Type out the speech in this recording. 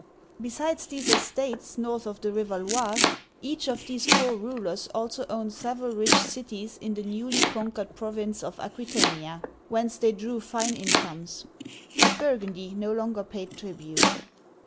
Besides these estates north of the river Loire, each of o. F. — 4 Digitized by VjOOQIC 54 OLD FRANCE these four rulers also owned several rich cities in the newly conquered province of Aquitania, whence they drew fine incomes. But Burgundy no longer paid tribute.